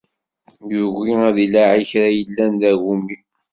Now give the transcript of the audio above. Yugi ad ilaɛi kra yellan d agumi.